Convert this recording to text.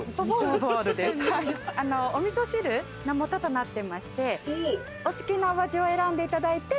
お味噌汁のもととなってましてお好きなお味を選んでいただいて。